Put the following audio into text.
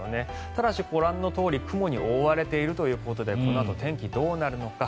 ただしご覧のとおり雲に覆われているということでこのあと天気どうなるのか。